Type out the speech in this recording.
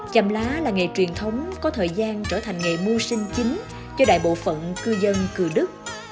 chầm lá là nghề truyền thống có thời gian trở thành nghề mưu sinh chính cho đại bộ phận cư dân cừu đức